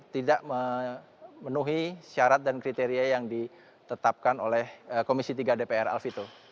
tidak memenuhi syarat dan kriteria yang ditetapkan oleh komisi tiga dpr alfito